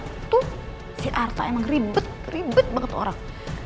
itu si arta emang ribet ribet banget orang